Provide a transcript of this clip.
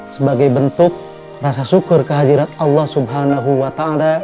sebagai bentuk rasa syukur kehadirat allah swt